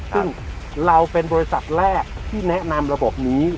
ซึ่งเราเป็นบริษัทแรกที่แนะนำระบบนี้